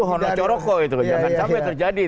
itu hono choroko itu loh jangan capain ya